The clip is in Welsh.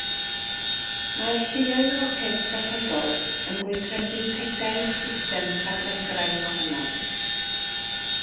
Mae'r Lluoedd Roced Strategol yn gweithredu pedair system taflegrau wahanol.